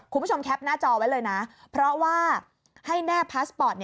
แคปหน้าจอไว้เลยนะเพราะว่าให้แน่พาสปอร์ต